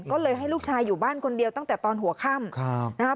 ก็เลยให้ลูกชายอยู่บ้านคนเดียวตั้งแต่ตอนหัวค่ำนะครับ